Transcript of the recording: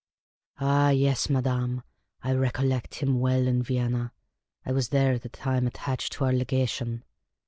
'' Ah j^es, madame, I recollect him well in Vienna. I was there at the time, attached to our Legation.